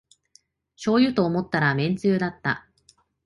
しょうゆと思ったらめんつゆだった